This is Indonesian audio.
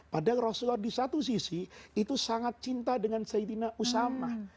padahal rasulullah disatu sisi itu sangat cinta dengan saidina usamah